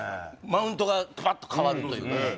マウントがバッと変わるというかね